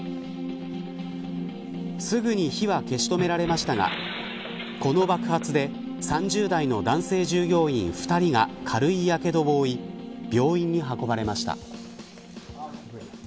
すぐに火は消し止められましたがこの爆発で３０代の男性従業員２人が軽いやけどを負い病院に運ばれました。